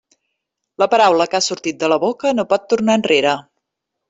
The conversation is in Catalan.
La paraula que ha sortit de la boca no pot tornar enrere.